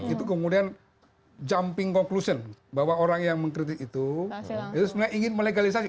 itu kemudian jumping conclusion bahwa orang yang mengkritik itu itu sebenarnya ingin melegalisasi